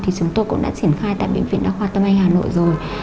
thì chúng tôi cũng đã triển khai tại bệnh viện đa khoa tâm anh hà nội rồi